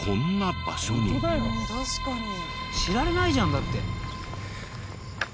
知られないじゃんだって。